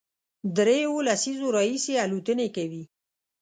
درېیو لسیزو راهیسې الوتنې کوي،